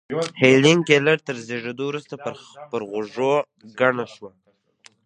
هېلېن کېلر تر زېږېدو وروسته پر غوږو کڼه شوه